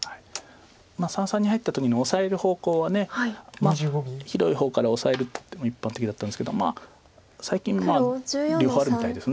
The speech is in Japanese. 三々に入った時にオサえる方向は広い方からオサえるっていうのが一般的だったんですけど最近両方あるみたいです。